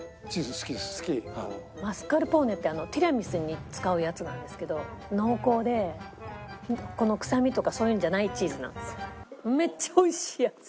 マスカルポーネってティラミスに使うやつなんですけど濃厚でくさみとかそういうんじゃないチーズなんですよ。